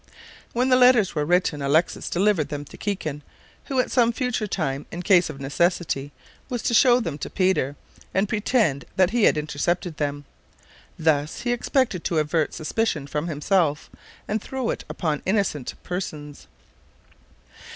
When the letters were written Alexis delivered them to Kikin, who at some future time, in case of necessity, was to show them to Peter, and pretend that he had intercepted them. Thus he expected to avert suspicion from himself, and throw it upon innocent persons.